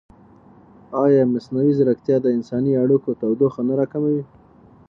ایا مصنوعي ځیرکتیا د انساني اړیکو تودوخه نه راکموي؟